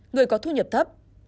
người có thu nhập thấp